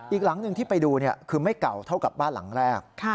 อีกหลังหนึ่งที่ไปดูคือไม่เก่าเท่ากับบ้านหลังแรก